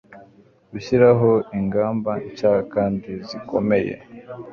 gushyiraho ingamba nshya kandi zikomeye